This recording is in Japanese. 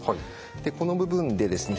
この部分でですね